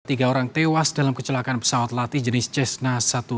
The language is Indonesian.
tiga orang tewas dalam kecelakaan pesawat latih jenis cessna satu ratus dua belas